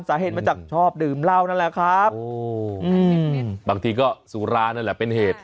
สาเหตุมาจากชอบดื่มเหล้านั่นแหละครับบางทีก็สุรานั่นแหละเป็นเหตุ